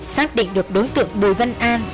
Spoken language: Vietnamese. xác định được đối tượng bùi văn an